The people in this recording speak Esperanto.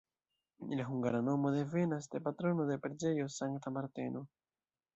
La hungara nomo devenas de patrono de preĝejo Sankta Marteno.